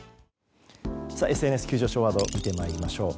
ＳＮＳ急上昇ワードを見てまいりましょう。